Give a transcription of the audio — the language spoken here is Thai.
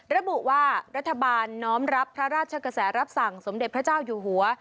ระบุว่ารัฐบาลน้อมรับพระราชกระแสรับสั่งสมเด็จพระเจ้าอยู่หัว